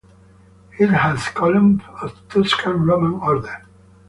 It has columns of Tuscan Roman order.